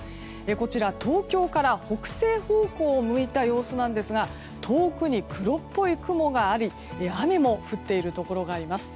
こちら、東京から北西方向を向いた様子なんですが遠くに黒っぽい雲があり雨も降っているところがあります。